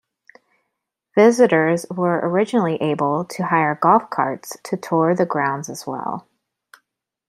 Visitors were originally able to hire golf carts to tour the grounds as well.